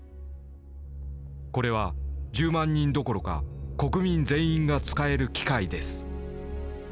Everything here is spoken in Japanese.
「これは１０万人どころか国民全員が使える機械です」。